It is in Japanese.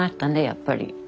やっぱり。